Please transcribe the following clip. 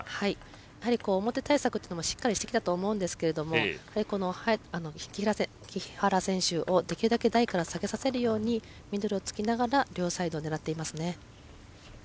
やはり表対策というのもしっかりしてきたと思うんですが木原選手をできるだけ台から下げさせるようにミドルを突きながら両サイド狙っていますね。